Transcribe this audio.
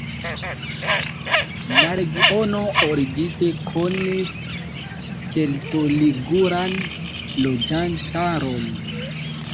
La regiono origine konis kelto-liguran loĝantaron.